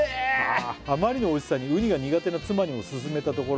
「あまりのおいしさにウニが苦手な妻にも勧めたところ」